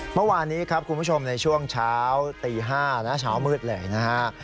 เมื่อวานนี้ครับคุณผู้ชมในช่วงเช้าตี๕และเช้ามืดเลยนะฮะ